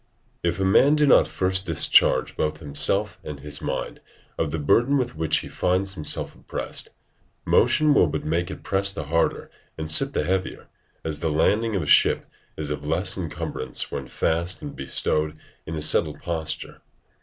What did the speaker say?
Horace, Od., ii. 16, 18.] If a man do not first discharge both himself and his mind of the burden with which he finds himself oppressed, motion will but make it press the harder and sit the heavier, as the lading of a ship is of less encumbrance when fast and bestowed in a settled posture.